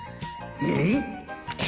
うん？